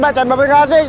bacan bapak gak asik